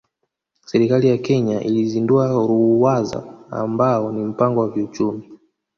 Serikali ya Kenya ilizindua Ruwaza ambao ni mpango wa kiuchumi